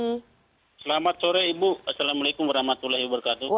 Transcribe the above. selamat sore ibu assalamualaikum warahmatullahi wabarakatuh